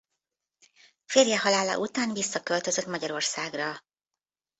Férje halála után visszaköltözött Magyarországra.